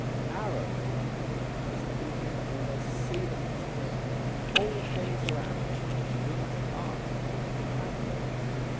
Our only difficulty is that we do not always see the purpose. All things are ours, but we must ask if we would have them."